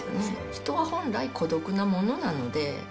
人は本来、孤独なものなので。